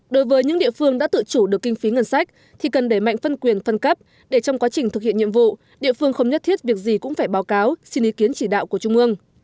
đối với những địa phương đã tự chủ được kinh phí ngân sách thì cần đẩy mạnh phân quyền phân cấp để trong quá trình thực hiện nhiệm vụ địa phương không nhất thiết việc gì cũng phải báo cáo xin ý kiến chỉ đạo của trung ương